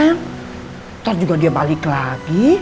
nanti juga dia balik lagi